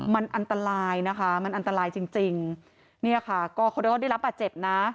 มันอันตรายนะคะมันอันตรายจริงนี่ค่ะก็เขาได้รับบาดเจ็บนะ